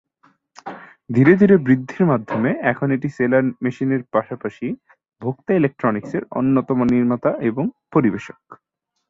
ধীরে ধীরে বৃদ্ধির মাধ্যমে এখন এটি সেলাই মেশিনের পাশাপাশি ভোক্তা ইলেকট্রনিক্সের অন্যতম নির্মাতা এবং পরিবেশক।